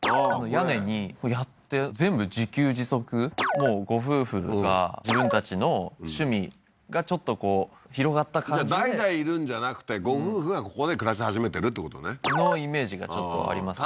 屋根にやって全部自給自足ご夫婦が自分たちの趣味がちょっとこう広がった感じでじゃあ代々いるんじゃなくてご夫婦がここで暮らし始めてるってことね？のイメージがちょっとありますね